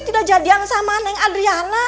tidak jadi yang sama dengan adriana